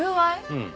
うん。